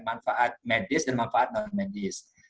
manfaat medis dan manfaat non medis